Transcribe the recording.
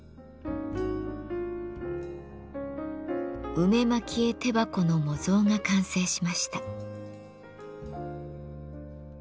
「梅蒔絵手箱」の模造が完成しました。